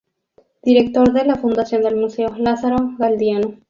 Director de la fundación del Museo Lázaro Galdiano.